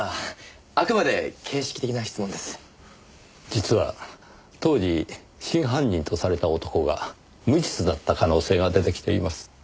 実は当時真犯人とされた男が無実だった可能性が出てきています。